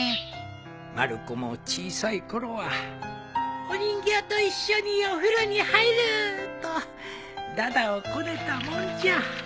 まる子も小さいころは「お人形と一緒にお風呂に入る」と駄々をこねたもんじゃ